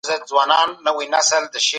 تاسو به د خپل ذهن لپاره ارامتیا لټوئ.